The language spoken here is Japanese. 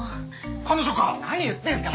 彼女か？